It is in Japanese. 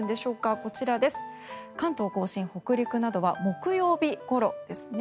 こちら、関東・甲信、北陸などは木曜日ごろですね。